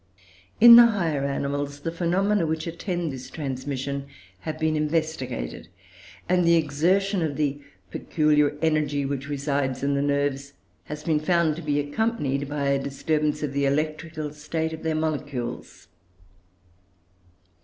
In the higher animals the phenomena which attend this transmission have been investigated, and the exertion of the peculiar energy which resides in the nerves has been found to be accompanied by a disturbance of the electrical state of their molecules.